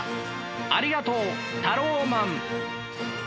ありがとうタローマン！